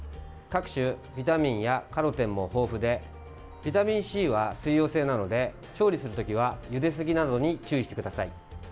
各種ビタミンやカロテンも豊富でビタミンＣは水溶性なので調理するときはゆですぎなどに注意してください。